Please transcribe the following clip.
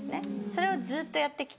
それをずっとやってきて。